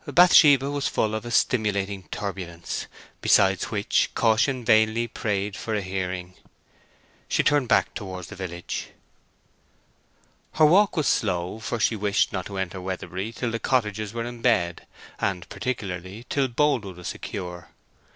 Bathsheba was full of a stimulating turbulence, beside which caution vainly prayed for a hearing. She turned back towards the village. Her walk was slow, for she wished not to enter Weatherbury till the cottagers were in bed, and, particularly, till Boldwood was secure.